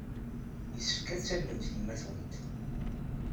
Yessefk ad tallemt yemma-twent.